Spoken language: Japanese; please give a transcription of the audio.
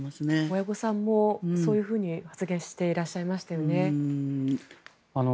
親御さんもそういうふうに発言していらっしゃいましたよね。